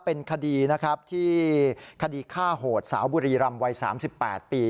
เป็นคดีนะครับที่คดีฆ่าโหดสาวบุรีรำวัย๓๘ปี